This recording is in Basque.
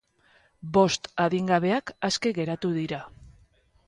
Bost adingabeak aske geratu dira.